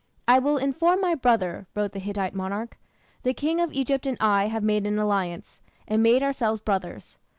"I will inform my brother," wrote the Hittite monarch; "the King of Egypt and I have made an alliance, and made ourselves brothers.